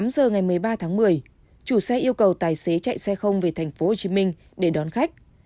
tám giờ ngày một mươi ba tháng một mươi chủ xe yêu cầu tài xế chạy xe không về tp hcm để đón khách